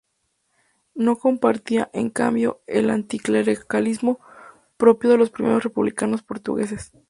No compartía, en cambio, el anticlericalismo propio de los primeros republicanos portugueses.